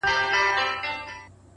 نو د وجود ـ